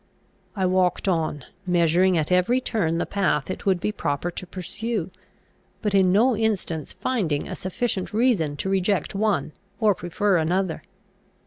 I walked on, measuring at every turn the path it would be proper to pursue, but in no instance finding a sufficient reason to reject one or prefer another.